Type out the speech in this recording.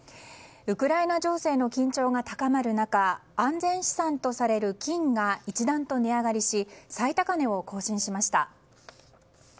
ウクライナ情勢の緊張が高まる中安全資産とされる金が一段と値上がりし最高値を更新しました。